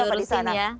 harus diurusin ya